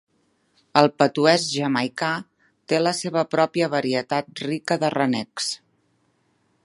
El patuès jamaicà té la seva pròpia varietat rica de renecs.